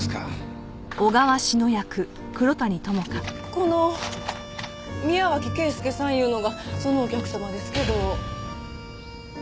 この宮脇圭介さんいうのがそのお客様ですけど。